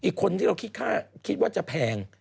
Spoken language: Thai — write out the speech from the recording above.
คนที่เราคิดว่าจะแพง